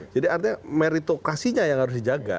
jadi artinya meritokrasinya yang harus dijaga